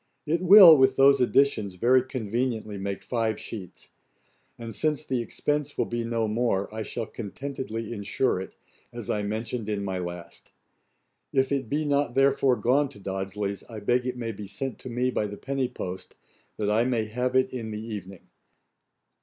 It will, with those additions, very conveniently make five sheets. And since the expense will be no more, I shall contentedly insure it, as I mentioned in my last. If it be not therefore gone to Dodsley's, I beg it may be sent me by the penny post, that I may have it in the evening.